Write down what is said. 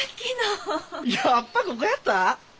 やっぱここやった？え？